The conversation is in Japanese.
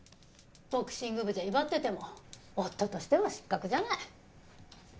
ボクシング部じゃ威張ってても夫としては失格じゃない。